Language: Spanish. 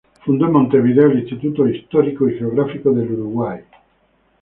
Fundó en Montevideo el Instituto Histórico y Geográfico del Uruguay.